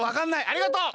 ありがとう。